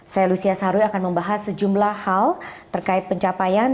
saya lucia saharwi akan membahas sejumlah hal terkait pencapaian